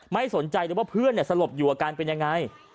ไม่สนใจเลยว่าเพื่อนสลบอยู่อาการเป็นยังไง